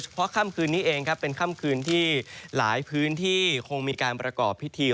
เพราะค่ำคืนนี้เองครับเป็นค่ำคืนที่หลายพื้นที่คงมีการประกอบพิธี